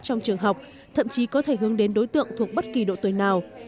trong trường học thậm chí có thể hướng đến đối tượng thuộc bất kỳ độ tuổi nào